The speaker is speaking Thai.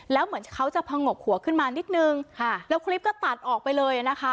แล้วเหมือนเขาจะผงกหัวขึ้นมานิดนึงแล้วคลิปก็ตัดออกไปเลยนะคะ